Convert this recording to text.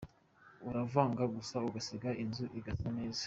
Uravanga gusa ugasiga inzu igasa neza".